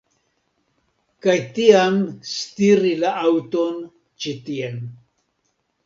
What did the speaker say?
Kaj tiam stiri la aŭton ĉi tien